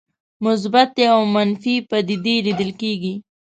مثبتې او منفي پدیدې لیدل کېږي.